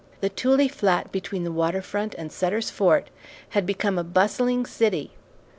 The tule flat between the water front and Sutter's Fort had become a bustling city.